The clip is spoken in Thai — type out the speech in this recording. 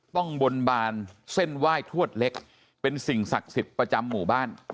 บนบานเส้นไหว้ทวดเล็กเป็นสิ่งศักดิ์สิทธิ์ประจำหมู่บ้าน